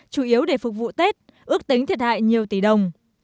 chủ yếu để phục vụ tết ước tính thiệt hại nhiều tỷ đồng